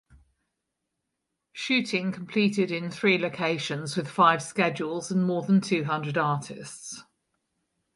Shooting completed in three locations with five schedules and more than two hundred artists